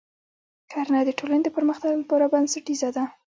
کرنه د ټولنې د پرمختګ لپاره بنسټیزه ده.